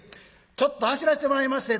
ちょっと走らせてもらいまっせ」。